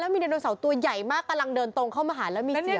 แล้วมีดันโนเสาร์ตัวใหญ่มากกำลังเดินตรงเข้ามาหาแล้วมีเสียงแบบ